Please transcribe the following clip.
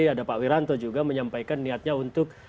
ada pak wiranto juga menyampaikan niatnya untuk